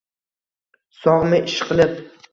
Sog’mi, ishqilib?